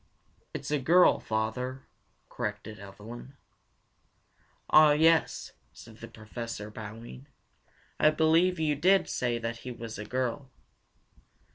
"It's a girl, father," corrected Evelyn. "Ah, yes," said the Professor, bowing. "I believe you did say that he is a girl."